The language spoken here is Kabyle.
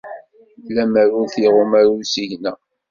Lemmer ur t-iɣum usigna.